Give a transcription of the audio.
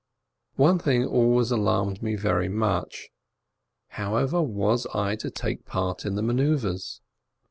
One thing always alarmed me very much: However was I to take part in the manoeuvres